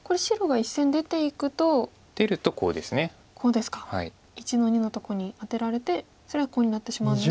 １の二のとこにアテられてそれはコウになってしまうので。